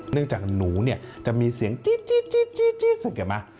เนื่องจากหนูจะมีเสียงจี๊ดเสียงเห็นไหม